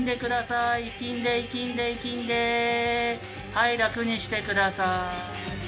・はい楽にしてください